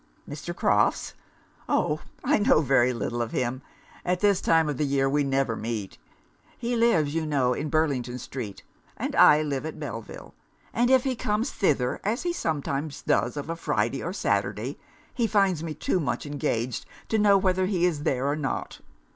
'Mr. Crofts? Oh! I know very little of him. At this time of the year we never meet. He lives, you know, in Burlington street, and I live at Belleville; and if he comes thither, as he sometimes does of a Friday or Saturday, he finds me too much engaged to know whether he is there or not.